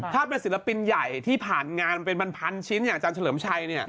ถ้าเป็นศิลปินใหญ่ที่ผ่านงานเป็นพันชิ้นอย่างอาจารย์เฉลิมชัย